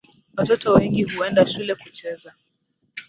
Watoto wengi huenda shule kucheza